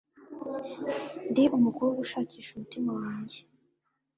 ndi umukobwa ushakisha umutima wanjye.